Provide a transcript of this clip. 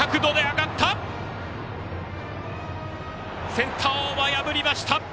センターオーバー破りました！